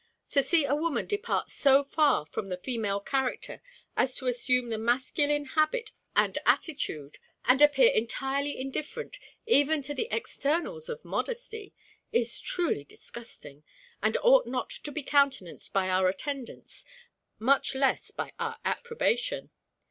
To see a woman depart so far from the female character as to assume the masculine habit and attitude, and appear entirely indifferent even to the externals of modesty, is truly disgusting, and ought not to be countenanced by our attendance, much less by our approbation.